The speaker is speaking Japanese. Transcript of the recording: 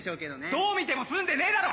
どう見ても住んでねえだろ！